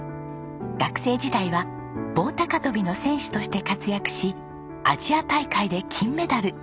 学生時代は棒高跳びの選手として活躍しアジア大会で金メダル。